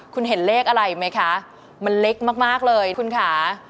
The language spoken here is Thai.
คุณเห็นเลขอะไรไหมคะมันเล็กมากเลยคุณค่ะ